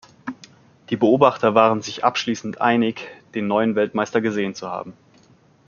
Die Beobachter waren sich abschließend einig, den neuen Weltmeister gesehen zu haben.